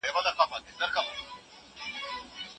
موږ خپله ژبه لیکو.